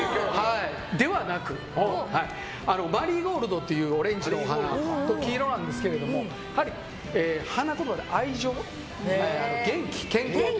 ではなく、マリーゴールドというオレンジのお花と黄色なんですけどもやはり花言葉で愛情、元気、健康。